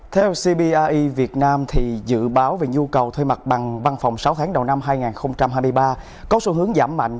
theo cbie việt nam dự báo về nhu cầu thuê mặt bằng văn phòng sáu tháng đầu năm hai nghìn hai mươi ba có xu hướng giảm mạnh